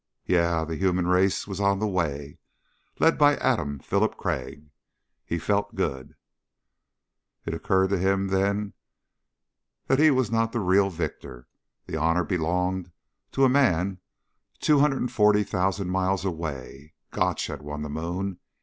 Yeah, the human race was on the way led by Adam Philip Crag. He felt good. It occurred to him then that he was not the real victor. That honor belonged to a man 240,000 miles away. Gotch had won the moon.